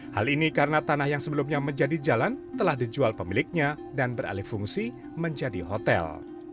hal ini karena tanah yang sebelumnya menjadi jalan telah dijual pemiliknya dan beralih fungsi menjadi hotel